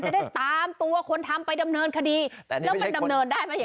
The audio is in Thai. จะได้ตามตัวคนทำไปดำเนินคดีแต่นี่ไม่ใช่คนแล้วไปดำเนินได้ไหม